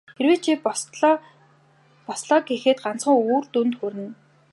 Хэрэв чи бослоо гэхэд ганцхан үр дүнд хүрнэ.